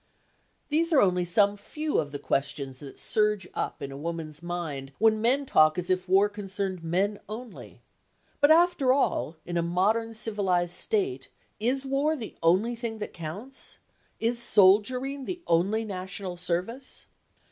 These are only some few of the questions that surge up in a woman's mind when men talk as if war concerned men only. But after all, in a modern civilised state, is war the only thing that counts? Is soldiering the only national service?